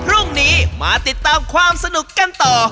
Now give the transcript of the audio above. พรุ่งนี้มาติดตามความสนุกกันต่อ